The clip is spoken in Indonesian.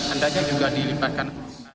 andanya juga dilebatkan